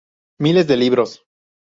Miles de libros"".